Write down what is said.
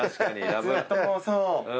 ずっとそう。